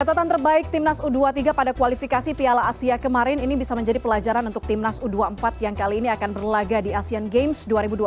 catatan terbaik timnas u dua puluh tiga pada kualifikasi piala asia kemarin ini bisa menjadi pelajaran untuk timnas u dua puluh empat yang kali ini akan berlaga di asean games dua ribu dua puluh tiga